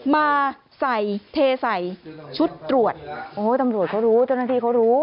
มาใส่เทใส่ชุดตรวจโอ้ยตำรวจเขารู้เจ้าหน้าที่เขารู้